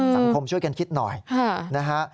สังคมช่วยกันคิดหน่อยนะฮะ